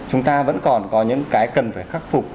chúng ta vẫn còn có những cái cần phải khắc phục